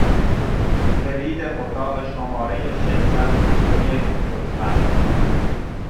کلید اتاق شماره ششصد و بیست و یک، لطفا!